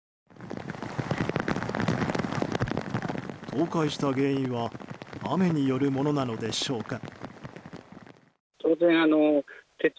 倒壊した原因は雨によるものなのでしょうか。